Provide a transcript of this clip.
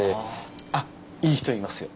あっいい人いますよ。